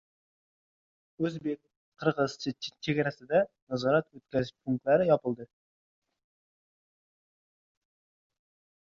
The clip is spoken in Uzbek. O‘zbek-qirg‘iz chegarasidagi nazorat-o‘tkazish punktlari yopiladi